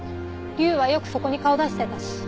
リュウはよくそこに顔出してたし。